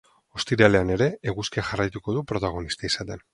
Ostiralean ere eguzkiak jarraituko du protagonista izaten.